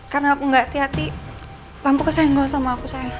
karena aku gak hati hati lampu kesenggol sama aku sayang